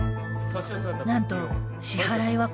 なんと支払いは小銭